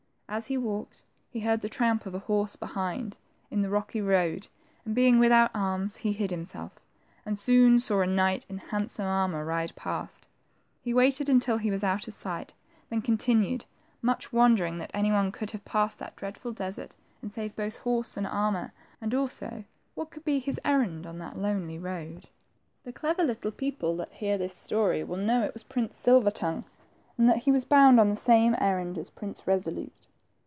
As he walked, he heard the tramp of a horse behind, in the rocky road, and being without arms, he hid himself, and soon saw a knight in handsome, armor ride past. He waited until he was out of sight, and then con tinued, much wondering that any one could have passed that dreadful desert and saved both horse and armor, and also what could be his errand on that lonely road. . THE TWO FRINGES, 71 The clever little people that hear this story will know it was Prince Silver tongue, and that he was bound on the same errand as Prince Eesolute.